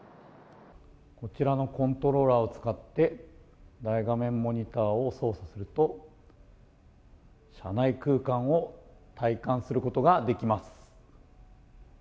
こちらのコントローラーを使って大画面モニターを操作すると車内空間を体感することができます。